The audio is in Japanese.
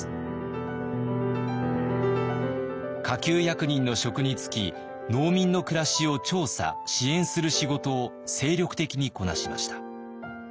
下級役人の職に就き農民の暮らしを調査・支援する仕事を精力的にこなしました。